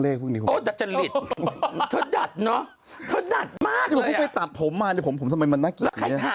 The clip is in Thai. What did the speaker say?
เลยตาตรวมมาผมทำมันได้